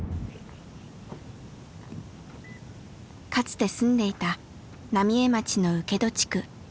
かつて住んでいた浪江町の請戸地区。